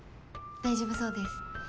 大丈夫そうです